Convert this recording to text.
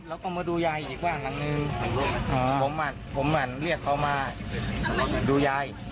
แล้วก็มาดูยายอีกบ้านหนึ่งอ๋อผมอ่ะผมอ่ะเรียกเขามาดูยาย